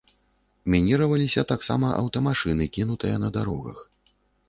Мініраваліся таксама аўтамашыны, кінутыя на дарогах.